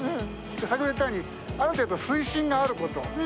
先ほども言ったようにある程度水深があること。